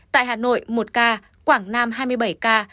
tại hà nội một ca quảng nam hai mươi bảy ca